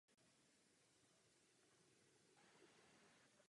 Pochvy dolních listů jsou šedohnědé.